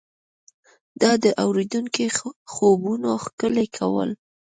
دا د اورېدونکو خوبونه ښکلي کول.